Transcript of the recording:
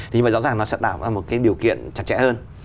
thì như vậy rõ ràng nó sẽ tạo ra một cái điều kiện chặt chẽ hơn